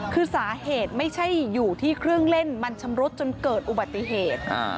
คือสาเหตุไม่ใช่อยู่ที่เครื่องเล่นมันชำรุดจนเกิดอุบัติเหตุ